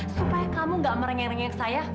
supaya kamu gak merengeng rengeng ke saya